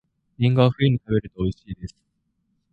りんごは冬に食べると美味しいです